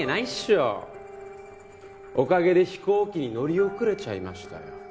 おかげで飛行機に乗り遅れちゃいましたよ。